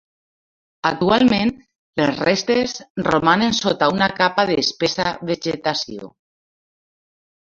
Actualment les restes romanen sota una capa d'espessa vegetació.